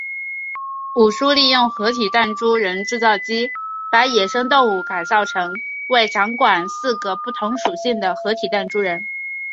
武殊利用合体弹珠人制造机把野生动物改造成为掌管四个不同属性的合体弹珠人。